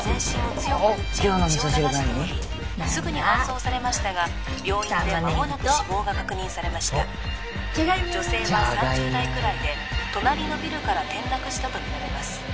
すぐに搬送されましたが病院で間もなく死亡が確認されました女性は３０代くらいで隣のビルから転落したとみられます